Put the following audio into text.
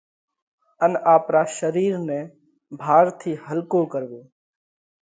ان آپرا شرِير نئہ ڀار ٿِي هلڪو ڪروو۔